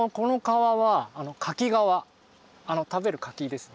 食べる柿ですね